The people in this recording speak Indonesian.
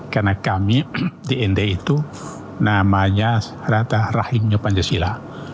karena kami di nd itu namanya rata rahimnya pancasila